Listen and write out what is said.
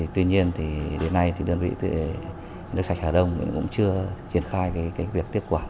tuy nhiên đến nay đơn vị nước sạch hà đông cũng chưa triển khai việc tiếp quả